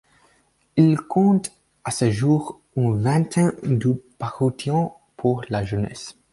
Il compte, à ce jour, une vingtaine de parutions pour la jeunesse.